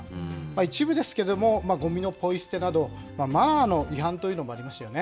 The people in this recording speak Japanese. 一部ですけれども、ごみのポイ捨てなど、マナーの違反というのもありましたよね。